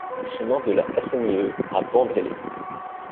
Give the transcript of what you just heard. Chemin de la SNIE à Bandrélé